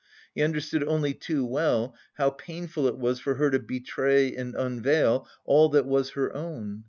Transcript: He understood only too well how painful it was for her to betray and unveil all that was her own.